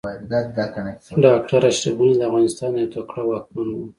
ډاکټر اشرف غني د افغانستان يو تکړه واکمن و